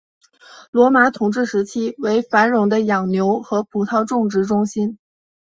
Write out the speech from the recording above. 罗马统治时期为繁荣的养牛和葡萄种植中心。